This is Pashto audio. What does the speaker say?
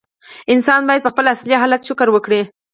انسان باید په خپل اصلي حالت شکر وکړي.